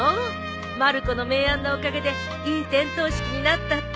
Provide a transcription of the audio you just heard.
まる子の名案のおかげでいい点灯式になったって。